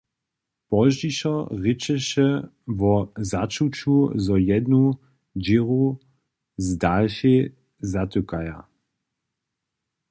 Pozdźišo rěčeše wo začuću, zo jednu dźěru z dalšej zatykaja.